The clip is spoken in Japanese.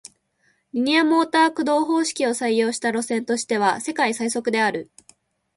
リニアモーター駆動方式を採用した路線としては世界最速である